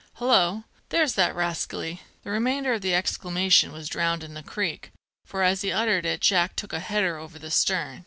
Hullo, there's that rascally " The remainder of the exclamation was drowned in the creek, for as he uttered it Jack took a header over the stern.